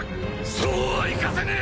そうはいかせねえ！